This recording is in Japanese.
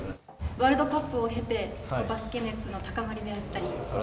ワールドカップを経て、バスケ熱の高まりであったり。